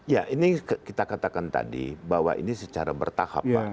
ya ini kita katakan tadi bahwa ini secara bertahap pak